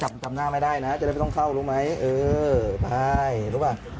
จะได้จับหน้าไปได้นะจะได้ไม่ต้องเข้ารู้ไหมเออปการ์ดรู้ปะ